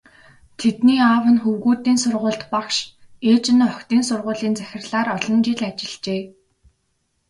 Тэдний аав нь хөвгүүдийн сургуульд багш, ээж нь охидын сургуулийн захирлаар олон жил ажиллажээ.